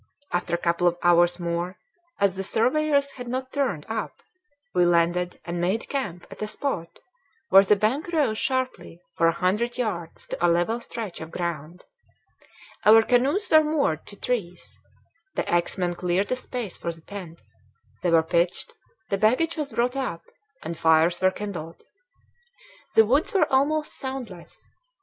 After a couple of hours more, as the surveyors had not turned up, we landed and made camp at a spot where the bank rose sharply for a hundred yards to a level stretch of ground. Our canoes were moored to trees. The axemen cleared a space for the tents; they were pitched, the baggage was brought up, and fires were kindled. The woods were almost soundless.